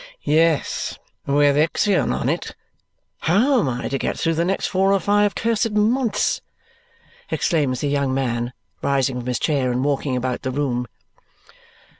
"Yes, with Ixion on it. How am I to get through the next four or five accursed months?" exclaims the young man, rising from his chair and walking about the room.